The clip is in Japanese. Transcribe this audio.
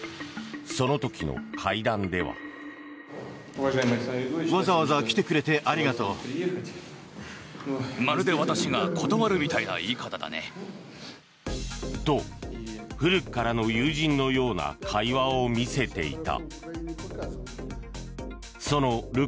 その時の会談では。と、古くからの友人のような会話を見せていた。